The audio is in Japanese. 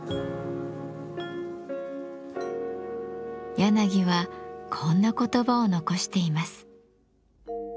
柳はこんな言葉を残しています。